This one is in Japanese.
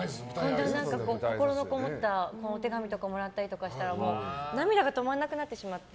心のこもったお手紙とかをもらったりしたらもう涙が止まらなくなってしまって。